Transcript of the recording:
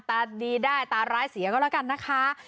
ตาดีได้ตาร้ายเสียก็แล้วกันนะคะ